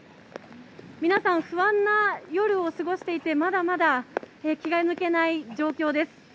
皆さん、不安な夜を過ごしていて、まだまだ気が抜けない状況です。